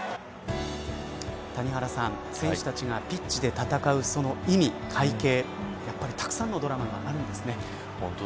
谷原さん選手たちがピッチで戦うその意味、背景たくさんのドラマがあるんですね。